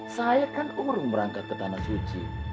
saya kan urung berangkat ke tanah suci